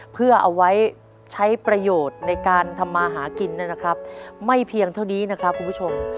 เพื่อเอาไว้ใช้ประโยชน์ในการทำมาหากินนะครับไม่เพียงเท่านี้นะครับคุณผู้ชม